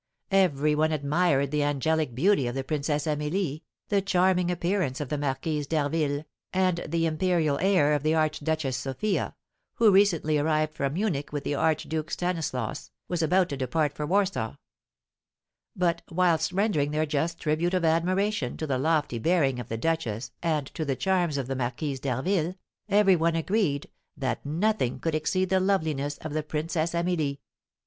Every one admired the angelic beauty of the Princess Amelie, the charming appearance of the Marquise d'Harville, and the imperial air of the Archduchess Sophia, who, recently arrived from Munich with the Archduke Stanislaus, was about to depart for Warsaw; but whilst rendering their just tribute of admiration to the lofty bearing of the duchess and to the charms of the Marquise d'Harville, every one agreed that nothing could exceed the loveliness of the Princess Amelie.